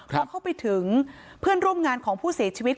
พอเข้าไปถึงเพื่อนร่วมงานของผู้เสียชีวิต